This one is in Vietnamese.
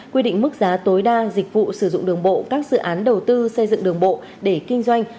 quy định mức giá tối đa dịch vụ sử dụng đường bộ các dự án đầu tư xây dựng đường bộ để kinh doanh